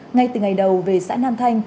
ngay từ ngày đầu về xã nam thanh